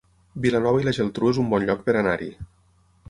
Vilanova i la Geltrú es un bon lloc per anar-hi